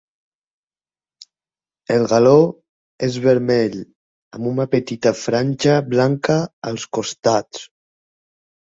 El galó és vermell amb una petita franja blanca als costats.